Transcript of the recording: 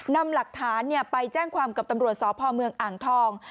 นำหลักฐานไปแจ้งความกับตำรวจสพเมืองอ่างทอง